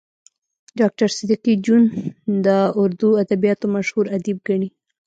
ډاکټر صدیقي جون د اردو ادبياتو مشهور ادیب ګڼي